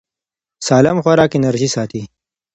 سالم خوراک انرژي ساتي.